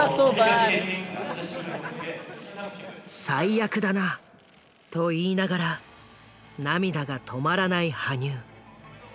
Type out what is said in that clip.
「最悪だな！」と言いながら涙が止まらない羽生。